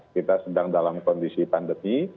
kita sedang dalam kondisi pandemi